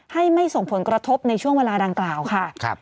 ไม่ส่งผลกระทบในช่วงเวลาดังกล่าวค่ะ